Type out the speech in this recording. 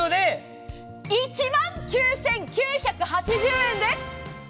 １万９９８０円です！